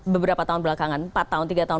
beberapa tahun belakangan empat tahun tiga tahun